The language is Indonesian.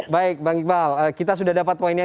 baik bang iqbal kita sudah dapat poinnya